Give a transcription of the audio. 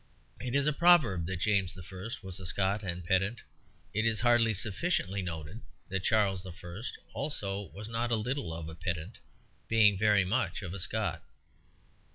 It is a proverb that James I. was a Scot and a pedant; it is hardly sufficiently noted that Charles I. also was not a little of a pedant, being very much of a Scot.